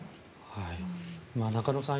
中野さん